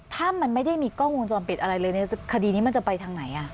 ถ้ามันไม่ได้มีกล้องวงจรปิดอะไรเลยในคดีนี้มันจะไปทางไหน